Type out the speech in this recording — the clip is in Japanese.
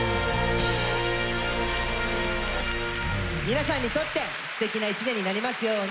皆さんにとってすてきな１年になりますように！